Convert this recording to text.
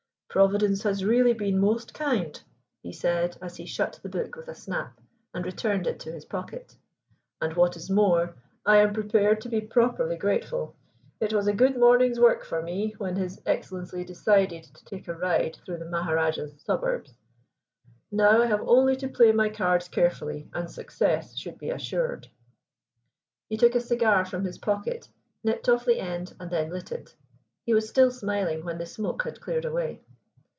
"Providence has really been most kind," he said as he shut the book with a snap, and returned it to his pocket. "And what is more, I am prepared to be properly grateful. It was a good morning's work for me when His Excellency decided to take a ride through the Maharajah's suburbs. Now I have only to play my cards carefully and success should be assured." He took a cigar from his pocket, nipped off the end, and then lit it. He was still smiling when the smoke had cleared away.